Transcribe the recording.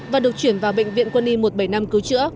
và được chuyển vào bệnh viện quân uy một trăm bảy mươi năm cứu trữa